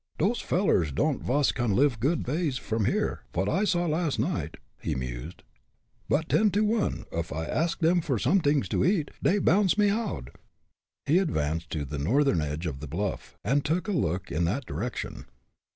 "Dose fellers don'd vas can live a good vays from here, vot I saw, last night," he mused, "but, ten to one uff I ask 'em for somedings to eat, dey bounce me oud." He advanced to the northern edge of the bluff, and took a look in that direction.